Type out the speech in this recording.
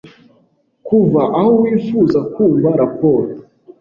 Kuva aho wifuza kumva raporo